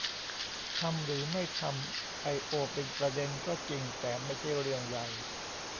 ทำ หรือไม่ทำไอโอ เป็นประเด็นก็จริง แต่ไม่ใช่เรื่องใหญ่